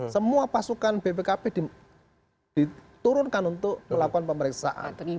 semua pasukan bpkp diturunkan untuk melakukan pemeriksaan